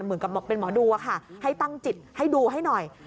เหมือนกับบอกเป็นหมอดูอะค่ะให้ตั้งจิตให้ดูให้หน่อย